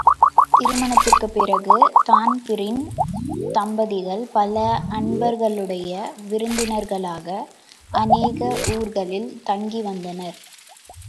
திருமணத்திற்குப் பிறகு தான்பிரீன் தம்பதிகள் பல அன்பர்களுடைய விருந்தினர்களாக அநேக ஊர்களில் தங்கிவந்தனர்.